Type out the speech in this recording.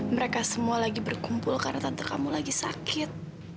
mereka semua lagi berkumpul karena tante kamu lagi sakit